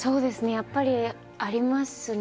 やっぱりありますね。